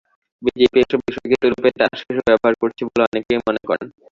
BJP এসব বিষয়কেই তুরুপের তাস হিসেবে ব্যবহার করছে বলে অনেকেই মনে করেন।